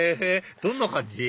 どんな感じ？